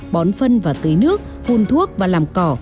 bón phân và tưới nước phun thuốc và làm cỏ